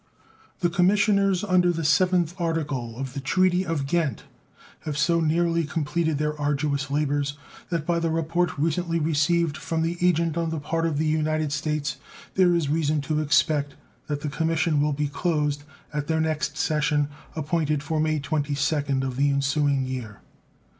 The commissioners under the 7th article of the treaty of Ghent have so nearly completed their arduous labors that, by the report recently received from the agent on the part of the United States, there is reason to expect that the commission will be closed at their next session, appointed for May 22 of the ensuing year.